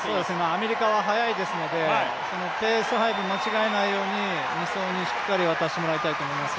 アメリカは速いですのでペース配分間違えないように２走にしっかり渡してもらいたいと思います。